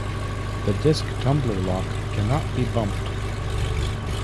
The disc tumbler lock cannot be bumped.